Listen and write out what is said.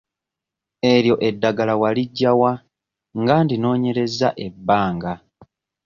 Eryo eddagala waliggya wa nga ndinoonyerezza ebbanga?